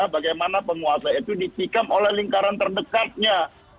bagaimana penguasa itu ditikam oleh lingkaran terdekatnya